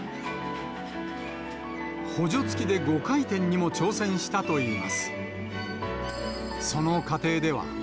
補助付きで５回転にも挑戦したといいます。